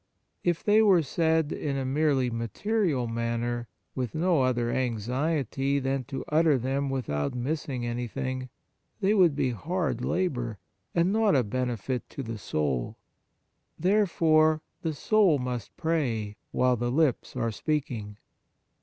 If they were said in a merely material manner, with no other anxiety than to utter them without missing anything, they would be hard labour, and not a benefit to the soul. Therefore the soul must pray while the lips are speaking.